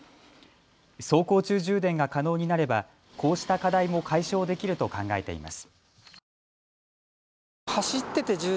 走行中充電が可能になればこうした課題も解消できると考えています。